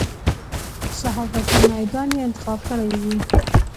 صحافتي میدان یې انتخاب کړی وي.